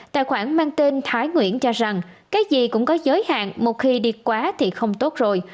tài khoản mang tên thái nguyễn cho rằng cái gì cũng có giới hạn một khi đi quá thì không tốt rồi